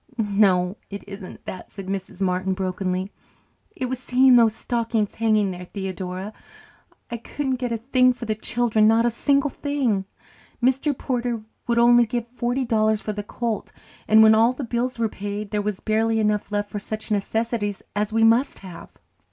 "No, it isn't that," said Mrs. Martin brokenly "It was seeing those stockings hanging there. Theodora, I couldn't get a thing for the children not a single thing. Mr. Porter would only give forty dollars for the colt, and when all the bills were paid there was barely enough left for such necessaries as we must have.